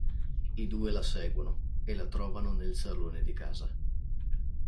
I due la seguono, e la trovano nel salone di casa.